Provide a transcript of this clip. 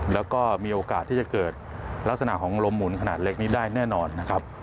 แล้วก็มีโอกาสที่จะเกิดลักษณะของลมหมุนขนาดเล็กนี้ได้แน่นอนนะครับ